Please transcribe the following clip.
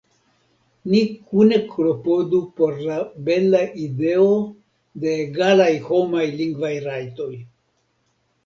Ni kune klopodu por la bela ideo de egalaj homaj lingvaj rajtoj!